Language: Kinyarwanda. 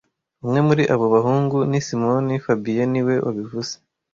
Umwe muri abo bahungu ni Simoni fabien niwe wabivuze